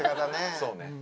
そうね。